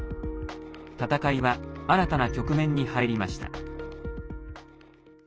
戦いは、新たな局面に入りました。